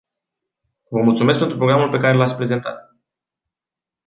Vă mulțumesc pentru programul pe care l-ați prezentat.